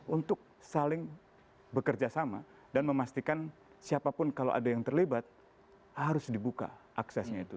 untuk saling bekerja sama dan memastikan siapapun kalau ada yang terlibat harus dibuka aksesnya itu